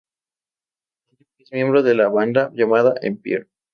Andrew es miembro de la banda llamada "Empire".